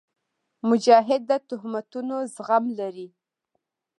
مجاهد د تهمتونو زغم لري.